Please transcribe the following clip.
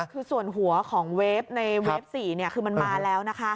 คือส่วนหัวของเวฟในเวฟ๔คือมันมาแล้วนะคะ